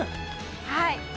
はい。